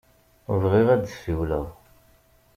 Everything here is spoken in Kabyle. Bɣiɣ ad d-ssiwleɣ.